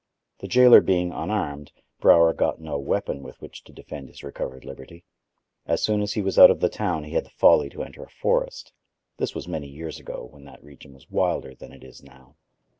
The jailer being unarmed, Brower got no weapon with which to defend his recovered liberty. As soon as he was out of the town he had the folly to enter a forest; this was many years ago, when that region was wilder than it is now.